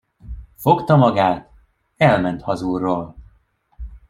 Fogta magát, elment hazulról.